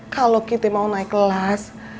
kalau kita mau naik kelas